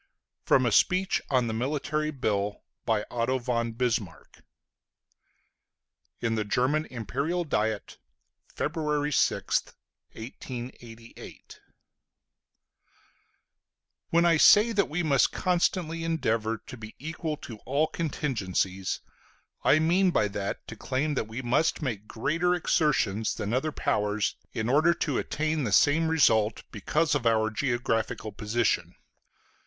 FROM A SPEECH ON THE MILITARY BILL IN THE GERMAN IMPERIAL DIET, FEBRUARY 6TH, 1888 When I say that we must constantly endeavor to be equal to all contingencies, I mean by that to claim that we must make greater exertions than other powers in order to attain the same result, because of our geographical position.